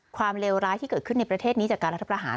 เลวร้ายที่เกิดขึ้นในประเทศนี้จากการรัฐประหาร